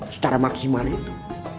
secara maksimal itu